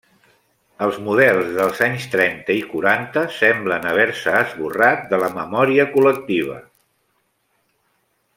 Els models dels anys trenta i quaranta semblen haver-se esborrat de la memòria col·lectiva.